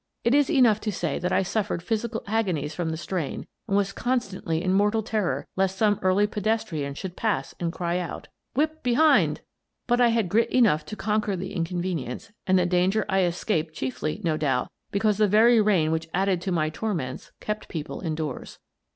It is enough to say that I suffered physical agonies from the strain, and was constantly in mortal ter ror lest some early pedestrian should pass and cry out :" Whip behind !" But I had grit enough to conquer the inconvenience, and the danger I escaped chiefly, no doubt, because the very rain which added to my torments kept people indoors.